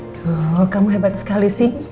tuh kamu hebat sekali sih